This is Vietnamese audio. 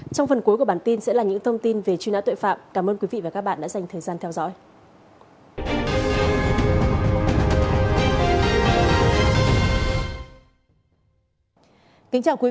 trong phần cuối của bản tin sẽ là những thông tin về truy nã tội phạm cảm ơn quý vị và các bạn đã dành thời gian theo dõi